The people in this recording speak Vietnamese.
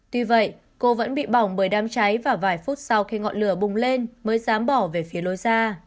tuy vậy cô vẫn bị bỏng bởi đám cháy và vài phút sau khi ngọn lửa bùng lên mới dám bỏ về phía lối ra